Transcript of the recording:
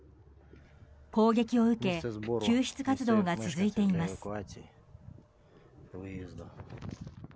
攻撃を受け救出活動が続いています。